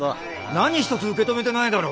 何一つ受け止めてないだろ？